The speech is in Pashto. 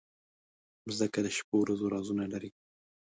مځکه د شپو ورځو رازونه لري.